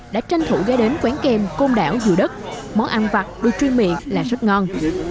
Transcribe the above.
đã tranh thủ ghe đến quán kem côn đảo dừa đất món ăn vặt được truy miệng là rất ngon